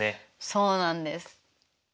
そうなんです。